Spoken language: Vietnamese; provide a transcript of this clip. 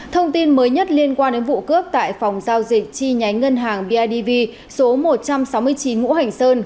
thông tin mới nhất liên quan đến vụ cướp tại phòng giao dịch chi nhánh ngân hàng bidv số một trăm sáu mươi chín ngũ hành sơn